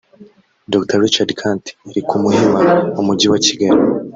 Dr Richard Kandt iri ku Muhima mu Mujyi wa Kigali